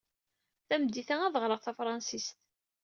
Tameddit-a, ad ɣreɣ tafṛensist.